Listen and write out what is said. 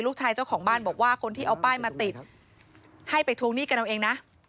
เจ้าของบ้านบอกว่าคนที่เอาป้ายมาติดให้ไปทวงหนี้กันเอาเองนะ